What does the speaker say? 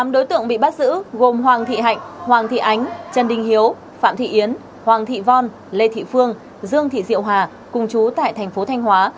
tám đối tượng bị bắt giữ gồm hoàng thị hạnh hoàng thị ánh trần đinh hiếu phạm thị yến hoàng thị von lê thị phương dương thị diệu hòa cùng chú tại tp thanh hóa